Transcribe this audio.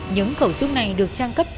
những khẩu súng này được trang cấp